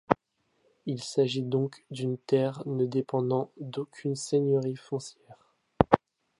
Il s'agit donc d'une terre ne dépendant d'aucune seigneurie foncière.